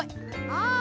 ああ。